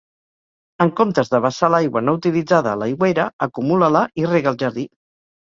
En comptes de vessar l'aigua no utilitzada a l'aigüera, acumula-la i rega el jardí.